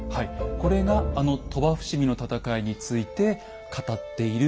これがあの鳥羽伏見の戦いについて語っている記述なんですよ。